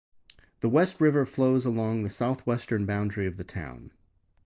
The West River flows along the southwestern boundary of the town.